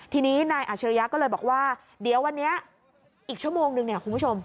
ทีนี้นายอาชริยะก็เลยบอกว่าเดี๋ยววันนี้อีกชั่วโมงนึงเนี่ยคุณผู้ชม